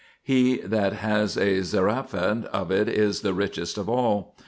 He that has a zenzabiu of it is the richest of all.